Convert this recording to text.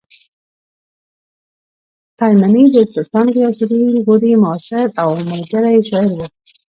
تایمني د سلطان غیاث الدین غوري معاصر او ملګری شاعر و